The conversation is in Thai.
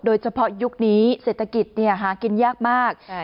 โดยเฉพาะยุคนี้เศรษฐกิจหากินยากมาก